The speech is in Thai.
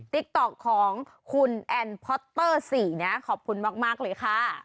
ติ๊กต๊อกของคุณแอนพอตเตอร์๔นะขอบคุณมากเลยค่ะ